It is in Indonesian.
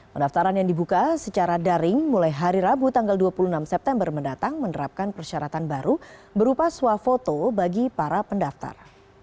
pendaftaran yang dibuka secara daring mulai hari rabu tanggal dua puluh enam september mendatang menerapkan persyaratan baru berupa swafoto bagi para pendaftar